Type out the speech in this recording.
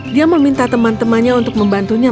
dia meminta teman temannya untuk membantunya